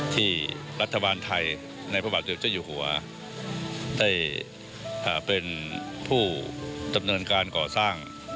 ที่รัฐบาลไทยในพระบาทเจ้าอยู่หัวได้เป็นผู้ดำเนินการก่อสร้าง